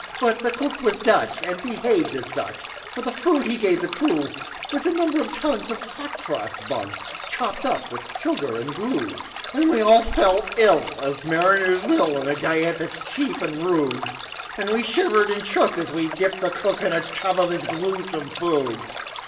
But the cook was Dutch, and behaved as such; For the food that he gave the crew Was a number of tons of hot cross buns, Chopped up with sugar and glue. And we all felt ill as mariners will, On a diet that's cheap and rude; And we shivered and shook as we dipped the cook In a tub of his gluesome food.